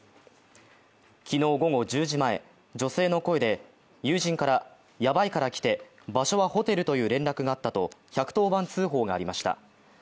昨日午後１０時前、女性の声で友人から、ヤバいから来て、場所はホテルという連絡があったと１１０番通報がありました。